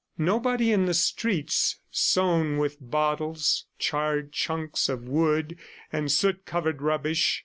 Nobody in the streets sown with bottles, charred chunks of wood, and soot covered rubbish.